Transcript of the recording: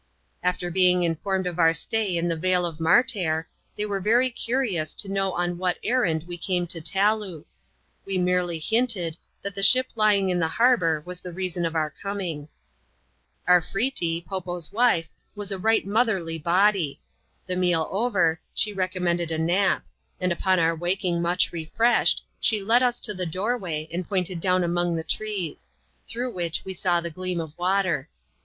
After being informed of our stay in the vale of Martair, they were very curious to know on what errand we came to Taloo. We merely hinted, that the ship lying in the harbour was the reason of our coming. Arfretee, Po Po's wife, was a right motherly body. The meal over, she recommended a nap; and upon our waking much refreshed, she led us to the doorway, and pointed down among the trees ; through which we saw the gleam of water.